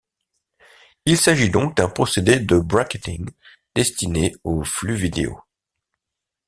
Il s'agit donc d'un procédé de bracketing destiné au flux vidéo.